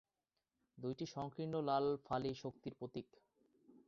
দুইটি সংকীর্ণ লাল ফালি শক্তির প্রতীক।